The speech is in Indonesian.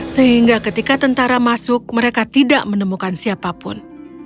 sehingga ketika tentara masuk mereka tidak menemukan siapapun